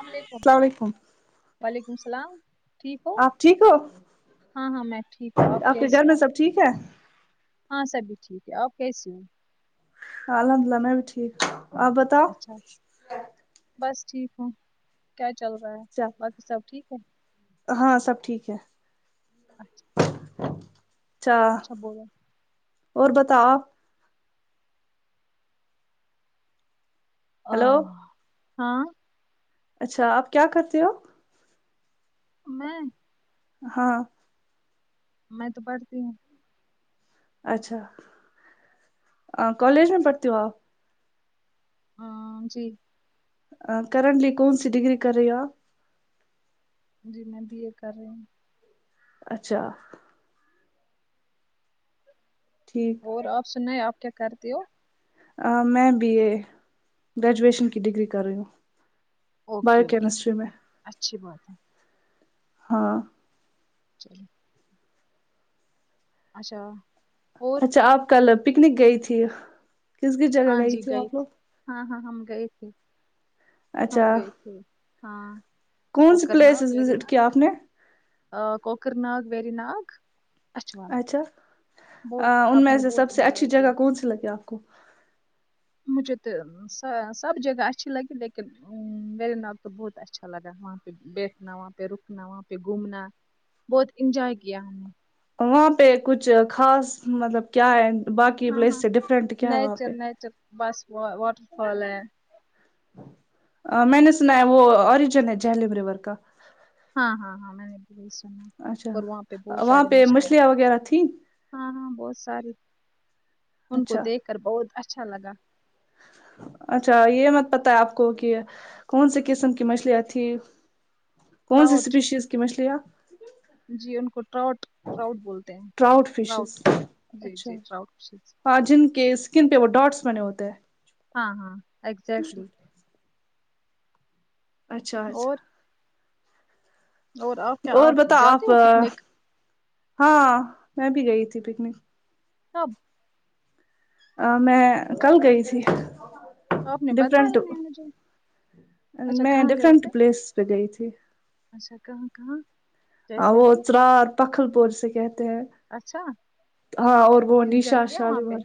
السلام علیکم وعلیکم السلام ٹھیک ہو آپ ٹھیک ہو ہاں ہاں میں ٹھیک ہوں آپ کے گھر کیسے میں ہو سب ٹھیک ہے ہاں سبھی ٹھیک ہے آپ کیسی ہو ہاں الحمد للہ میں بھی ٹھیک آپ بتا اچھا بس ٹھیک ہوں کیا چل رہا ہے اچھا باقی سب ٹھیک ہوں ہاں سب ٹھیک ہے اچھا اچھا اور بتاؤ آپ ہلو اں ہاں اچھا آپ کیا کرتے ہو میں ہاں میں تو پڑھتی ہوں اچھا آ کالج میں پڑھتی ہو آپ ہاں جی آپ کرنٹلی کون سی ڈگری کر رہی ہو آپ جی میں بی اے کر رہی ہوں اچھا ٹھیک اور آپ سناے آپ کیا کرتے ہو میں بی اے گریجویشن کی ڈگری کر رہی ہوں اوکے بایو اوکے ٹھیک کیمسٹری میں ہے اچھی بات ہے ہاں چلیے اچھا اور اچھا آپ کل پکنک گئی تھی کس کس جگہ ہاں گئی جی تھی گئے آپ تھ لوگ ہاں ہاں ہم گئے تھے ہم اچھا گئے تھے ہاں کون سی ہووکر نا پلیسز بری وزٹ نا کیا آپ نے آ کوکر ناگ وری ناگ اچھوال اچھا بہت ان ہم میں نے سے بہت سب سے اچھی انجوائے کیا جگہ کون سی لگی آپ کو مجھے تو سب جگہ اچھی لگی لیکن میرے ناگ تو بہت اچھا لگا وہ بیٹھنا وہاں پہ رکنا وہاں پہ گھومنا بہت انجوائے کیا ہم نے وہاں پہ کچھ خاص مطلب کیا ہے باقی ہاں ہاں پلیس ڈفرنٹ کیا ہے وہاں پہ نیچر نیچر بس وا واٹر فال ہے میں نے سنا ہے وہ اوریجن ہے جیلیب ریور کا ہاں ہاں ہاں میں نے وہی سنا اور وہاں پہ اچھا بہت وہاں سارے پہ مسلیے ہیں مچھلیاں وغیرہ تھیں ہاں ہاں بہت ساری ان کو اچھا دیکھ کر بہت اچھا لگا اچھا یہ مت پت ہے آپ کو کہ کون سی قسم کی مچھلیاں تھی کون سی ٹراؤٹ اسپیشیز کی مچھلیا آپ جی ان کو ٹراؤٹ ٹراؤٹ بولتے ہیں ٹراؤٹ فشز جی اچھا جی ٹراؤٹ ہاں جن کے اسکن پہ وہ ڈاٹس بنے ہوتے ہیں ہاں ہاں ایکگزٹلی اچھا اچھا اور اور آپ کیا اور بتا جاتے آپ ہو پکنک ہاں میں بھی گئی تھی پکنک کب ا میں کل گئی تھی آپ نے ڈفرنٹ بتایا نہیں مجھے اچھا میں کہاں گئے ڈفرنٹ تھے پلیس پہ گئی تھی اچھا کہاں کہاں جیسے وہ کہ چرار پکھل پور سے کہتے ہیں اچھا ہاں اور وہ انجوائے نشا کیا شاہد وہاں پہ بار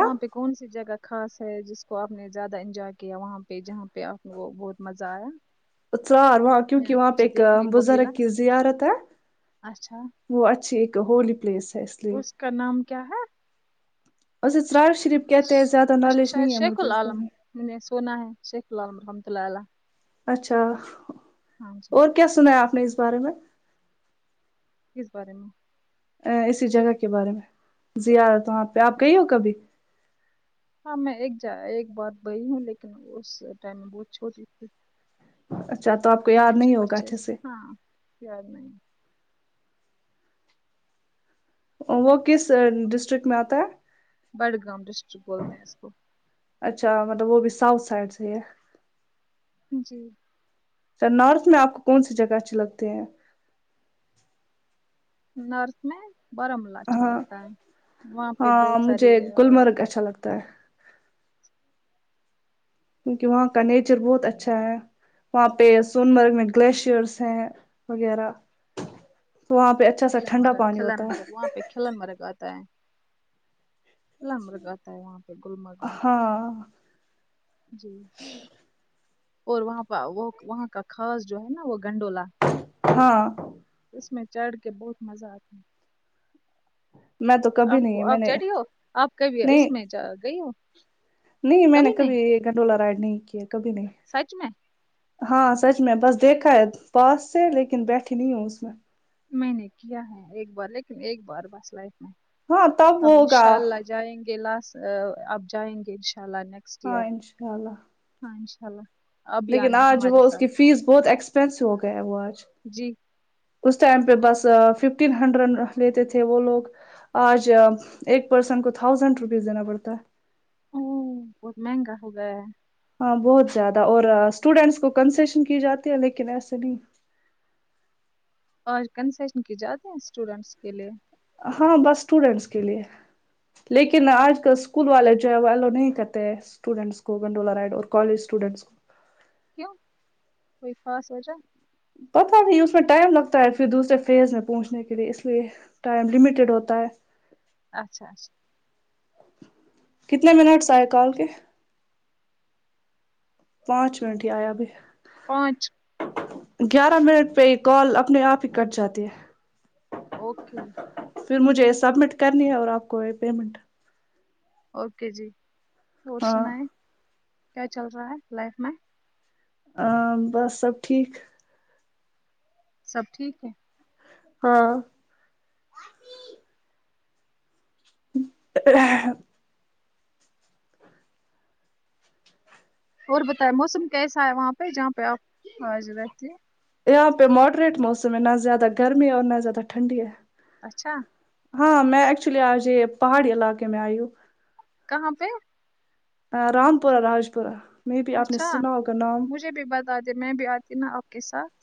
وہاں پہ کون سی جگہ خاص ہے جس کو آپ نے زیادہ انجوائے کیا وہاں پہ جہاں پہ آپ وہ بہت مزہ آیا اار وہاں یا کیونکہ وہاں پہ کچھ ایک دیکھنے کو ملا بزرگ کی زیارت ہے اچھا وہ اچھی ایک ہولی پلیس ہے اس کا نام کیا ہے وسے چرار شریف کہتے ہیں زیادہ نالج نہیں ہے مجھے اس سونا ہے شیخ ال رحمت اللہ اللہ اچھا ہاں جی اور کیا سنا ہے آپ نے اس بارے میں کس بارے میں ا اسی جگہ کے بارے میں زیارت وہاں پہ آپ گئی ہو کبھی ہاں میں ایک جا ایک بار گئی ہوں لیکن اس ٹائم میں بہت چھوٹی تھی اچھا تو آپ کو یاد نہیں ہوگا اچھے سے یاد نہیں وہ کس ڈسٹرکٹ میں آتا بڈگام ڈسٹرک ہے بولتے ہیں اس کو اچھا مطلب وہ بھی ساؤتھ سائڈ سے ہے جی سر نارتھ میں آپ کو کون سی جگہ اچھیے لگتے ہیں نارتھ میں بارامولہ اچھا ہاں لگتا ہے وہاں پہ بہت ساری ت کیونکہ وہاں کا نیچر بہت اچھا ہے وہاں پہ سون مرگ میں گلیشئرس ہیں وغیرہ تو وہاں پہ اچھا سا ٹھنڈہ پانی ہو تا ہے سون مرگ ہوتا ہے سون مرگ ہوتا ہے وہاں پہ گلمرگ میں ہاں جی اور وہاں پ وہ وہاں کا خاص جو ہے نا وہ گنڈولا ہاں اس میں چڑھ کے بہت مزہ آتا ہے میں تو کبھی آپ نہیں کو میں آپ نے چڑھی ہو آپ کبھی اس نہیں میں جا گئی ہو نہیں میں نے کبھی گنڈولہ رائڈ نہیں کیا کبھی نہیں سچ میں ہاں سچ میں بس دیکھا ہے پاس سے لیکن بیٹھی نہیں ہوں اس میں میں نے کیا ہے ایک بار لیکن ایک بار بس لائف میں ہاں تب اب ہوگا انشاء اللہ جائیں گے لاسٹ اب جائیں گے انشاء اللہ نیکسٹ ہاں ایئر انشاء اللہ ہاں انشاء اللہ لیکن آج وہ اس کی فیس بہت ایکسپینسو ہو گیا ہے وہ آج جی اس ٹائم پہ بس ففٹین ہنڈریڈ لیتے تھے وہ لوگ آج ایک پرسن کو تھاؤزینڈ روپیز دینا پڑتا ہے امم بہت مہنگا ہوگیا ہے ہاں بہت زیادہ اور اسٹوڈینٹس کو کنسیشن کی جاتی ہے لیکن ایسے نہیں اور کنسیشن کی جاتی اسٹوڈنٹس کے لیے ہاں بس اسٹوڈنٹس کے لیے لیکن آج کل اسکول والے جو ہے والو نہیں کرت ہے اسٹوڈنٹس کو گنڈولا راںیڈ اور کالج اسٹوڈنٹس کیوں کوئی خاص وجہ پتہ بھی اس میں ٹائم لگتا ہے پھر دوسرے فیز میں پہنچنے کے لیے اس لیے ٹائم لمیٹیڈ ہوتا ہے اچھا اچھا کتنے منٹس آئے کال کے پانچ منٹ ہی آیا ابھائی پانچ گیارہ منٹ پہ یہ کال اپنے آپ ہی کٹ جاتی ہے اوکے پھر مجھے سبمٹ کرنی ہے اور آپ کو یہ پیمنٹ اوکے جی اور ہاں سنائیں کیا چل رہا ہے لائف میں بس سب ٹھیک سب ٹھیک ہے ہاں اور بتائے موسم کیسا ہے وہاں پہ جہاں پہ آپ آج رہتے ہیں یہاں پہ ماڈریٹ موسم ہے نہ زیادہ گرمی ہے اور نہ زیادہ ٹھنڈی ہے اچھا ہاں میں ایکچولی آج یہ پہاڑی علاقے میں آئی ہو کہاں پہ رامپورہ راج پورہ مے بی آپنے سناہوگا نام آتی میں بھی آتی نا آپ کے ساتھ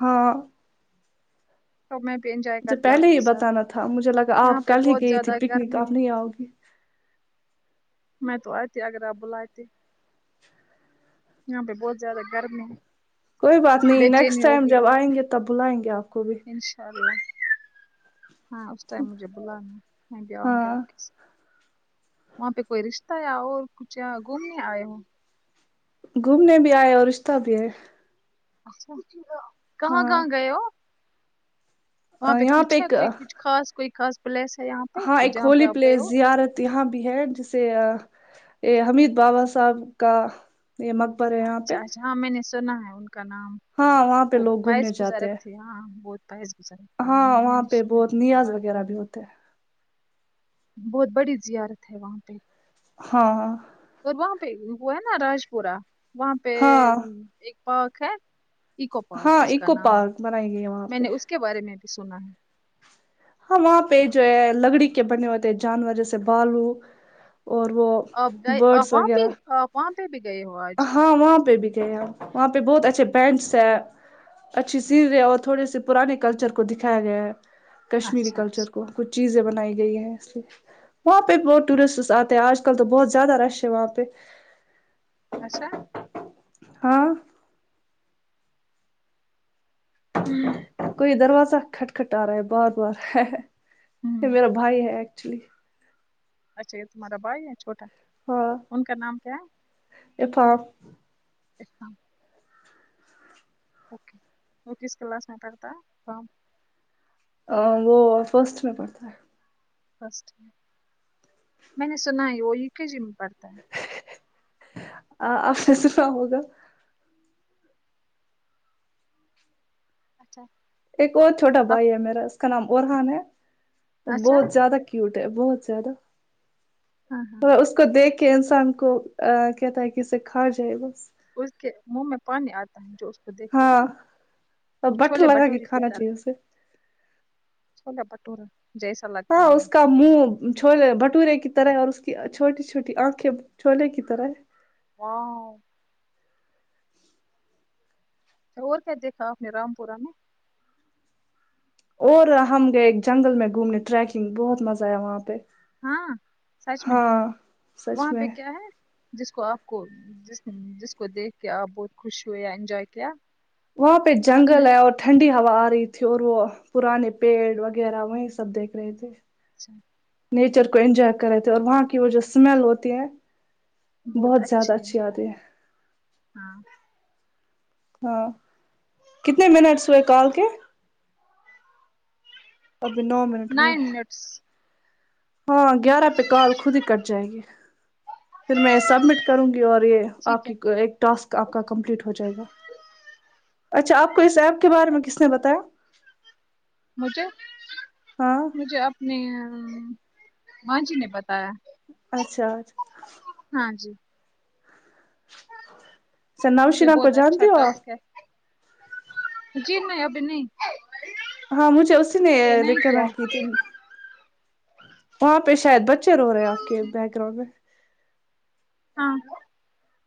ہاں سب می ڈینجر مجھے پہلے ہی بتانا تھا مجھے لگا آپ پہ کل ہی بہت گئی تھی زیادہ پکنک گرمی ہے آپ نہیں آؤ گی میں تو آتی اگر آپ بلاتے یہاں پہ بہت زیادہ گرمی ہے کوئی بات نہیں بے نیکسٹ چینی ہو ٹائم گئی جب ہے آئیں گے تب بلائیں گے آپ کو بھی انشاء اللہ ہے ہاں اسس ٹائم مجھے بلانا ہے میں بھی آؤں گی ہاں آپ کے ساتھ وہاں پہ کوئی رشتہ یا اور کچھ گھومنے آئے ہو گھومنے بھی آئے اور رشتہ بھی ہے کہاں ہاں کہاں گںیے ہو وہاں پہ یہاں کچھ ہے ایک کوئی کچھ خاص کوئی خاص پلیس ہے یہاں پہ ہاں ایک جہاں پہ ہولی آپ گئے ہو پلیس زیارت یہاں بھی ہے جسے یہ حمید بابا صاحب کا یہ مق برے یہاں پہ حاں میں نے سنا ہے ان کا نام ہاں وہاں پہ وہ لوگ گھومنے پائس جاتے بزرگ ہیں تھے ہاں وہ پس گزرتے میں نے سنا ہے ان کے بارے میں تو بہت بڑی زیارت ہے وہاں پہ ہاں اور وہاں پہ وہ ہے نا راج پورہ وہاں پہ ہاں ایک پارک ہے ایکو پارک ہاں اس کا ایکو نام ہے پارک بنائی گئی ہے وہاں میں نے پہ اس کے بارے میں بھی سنا ہے ہاں وہاں پہ جو ہے لکڑی کے بنے ہوئےتے ہیں جانور جیسے بالو اور وہ اب گئے برڈس افوان پ وغیرہ افوان پہ بھی گئے ہو آ ہاں وہاں پہ بھی تھے وہاں پہ بہت اچھے بینٹس ہے اچھی سن رہے اور تھوڑے سے پرانے کلچر کو دکھایا گیا ہے کشمیری اچھا کلچر اچھا کو کچھ چیزیں بنائی گئی ہیں اس لیے وہاں پہ بھی بہت ٹورسٹس آتے ہیں آج کل تو بہت زیادہ رش ہے وہاں پہ [unintelligible] ہاں [unintelligible] کوئی دروازہ کھٹ کٹ آ رہا ہے بار بار ہوں میرا بھائی ہے ایکچولی اچھا یہ تمہارا بھائی یا چھوٹا ہاں ان کا نام کیا ہے اطاعت اکلام اوکے وہ کس کلاس میںٹر تھا کام وہ فسٹ میں پڑھتا ہے فسٹ میں نے سنا ہے وہ یو کے جی میں پڑھتا ہے آپ نے سنا ہوگا اچھا ایک اور چھوٹا بھائی ہے میرا اس کا نام ارحان ہے اچھا بہت زیادہ کیوٹ ہے بہت زیادہ ہاں ہاں اور کو دیکھ کے انسان کو کہتا ہے کہ اسے کھا جائے بس اس کے منہ میں پانی آتا ہے جو وہ دیکھتے ہے ہاں نا وہ بٹر چھولے لگا کے بٹورے کی کھانا تارہا چاہیے اسے چھلے باتھورے جیسے ہاں اس کا منہ چھولے بھٹورے کی طرح اور اس کی چھوٹی چھوٹی آنکھیں چھولے کی طرح ہے ہاں اور کیا دیکھا آپنے رام پورہ میں اور ہم گئے جنگل میں گھومنے ٹریکنگ بہت مزہ آیا وہاں پہ ہاں سچ میں ہاں سچ وہاں پہ میں کیا ہے جس کو آپ کو جس جس کو دیکھ کے آپ بہت خوش ہوئے یا انجوائے کیا وہاں پہ جنگل ہے اور ٹھنڈی ہوا آ رہی تھی اور وہ پرانے پیڑ وغیرہ وہیں سب دیکھ رہے تھے اچھا نیچر کو انجوائے کر رہے تھے اور وہاں کی وہ جو اسمیل ہوتی ہیں بہت اچھے ہیں ہے ہاں ہاں کتنے منٹس ہوئے کال کے ابھی نو منٹ ہوئے نائن منٹس ہاں گیارہ پے کال خود ہی کٹ جائے گی پھر میں سبمٹ کروں گی اور یہ آپ ٹھیک ہے کی ایک ٹاسک آپ کا کمپلیٹ ہو جائے گا اچھا آپ کو اس ایپ کے بارے میں کس نے بتایا مجھے ہاں مجھے اپنے ماں جی نے بتایا اچھا ہاں جی اچھا یہ نوشینہ کو بہت اچھا جانتی ہو ٹاسک آپ ہے جی میں ابھی نہیں ہاں مجھے اسی نے ابھی نہیں کیا ریکمینڈ کی تھی وہاں پہ شاید بچے رو رہے ہیں آپ کے بیک گراؤنڈ میں ہاں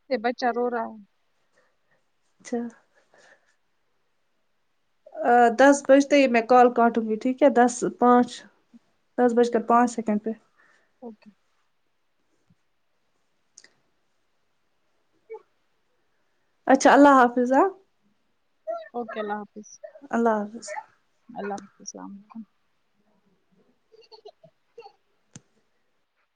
یہ بچا رو رہا ہے اچھا دس بجتے ہی میں کال کاٹوں گی ٹھیک ہے دس پانچ ٹھیک دس بج ٹھیک کر ہے پانچ سیکنڈ پر اوکے اچھا اللہ حافظ ہا اوکے اللہ حافظ اللہ حافظ اللہ حفظ ااسلام علیکم ہ ہ ہ ہی